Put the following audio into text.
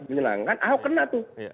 menyenangkan ahok kena tuh